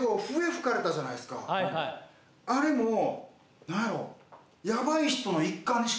あれも何やろう？